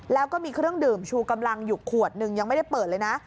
แล้วก็มีเครื่องดื่มชูกำลังอยู่ขวดนึงยังไม่ได้เปิดเลยนะ